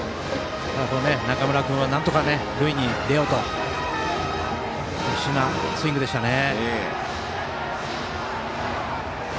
中村君はなんとか塁に出ようと必死なスイングでしたね。